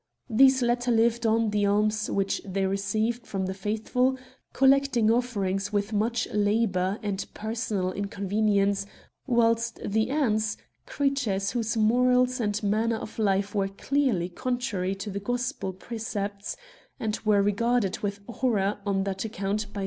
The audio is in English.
These latter lived on the alms which they received from the faithful, collecting offerings with much labour 69 Curiosities of Olden Times and personal inconvenience ; whilst the ants, creatures whose morals and manner of life were clearly con trary to the Gospel precepts, and were regarded with horror on that account by S.